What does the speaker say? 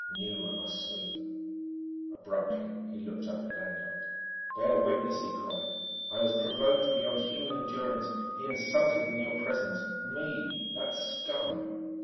Knew I must soon_...." Abruptly he looked up at Lanyard. "Bear witness," he cried: "I was provoked beyond human endurance. He insulted me in your presence ... me!... that scum!"